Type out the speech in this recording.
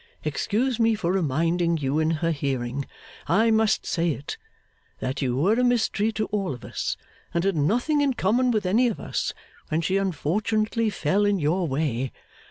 Excuse me for reminding you in her hearing I must say it that you were a mystery to all of us, and had nothing in common with any of us when she unfortunately fell in your way.